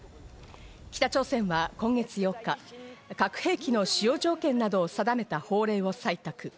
北朝鮮は今月８日、核兵器の使用条件などを定めた法令を採択。